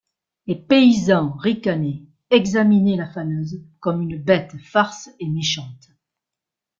Les paysans ricanaient, examinaient la faneuse comme une bête farce et méchante.